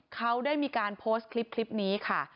เขาได้มีการโพสต์คลิปนี้ค่ะ